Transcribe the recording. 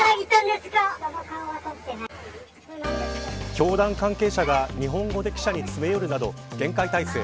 教団関係者が日本語で記者に詰め寄るなど厳戒態勢。